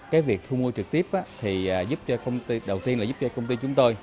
cái việc thu mua trực tiếp thì giúp cho công ty đầu tiên là giúp cho công ty chúng tôi